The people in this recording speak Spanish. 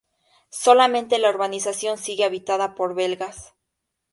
Solamente la urbanización sigue habitada por belgas.